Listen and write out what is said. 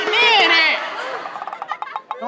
นี่เนี่ย